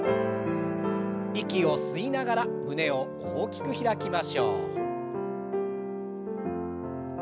息を吸いながら胸を大きく開きましょう。